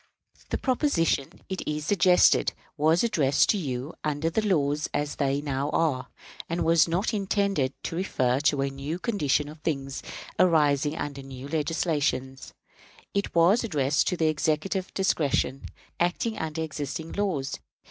The proposition, it is suggested, was addressed to you under the laws as they now are, and was not intended to refer to a new condition of things arising under new legislation. It was addressed to the Executive discretion, acting under existing laws.